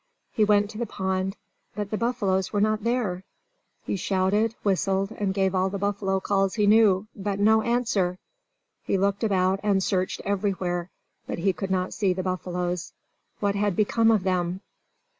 He went to the pond. But the buffaloes were not there! He shouted, whistled, and gave all the buffalo calls he knew. But no answer! He looked about, and searched everywhere, but he could not see the buffaloes. What had become of them?